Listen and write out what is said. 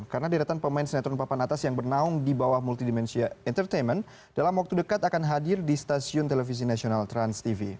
karena di ratan pemain sinetron papan atas yang bernahung di bawah multidimensia entertainment dalam waktu dekat akan hadir di stasiun televisi nasional transtv